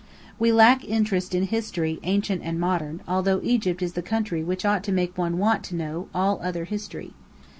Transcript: We lack interest in history ancient and modern, although Egypt is the country which ought to make one want to know all other history.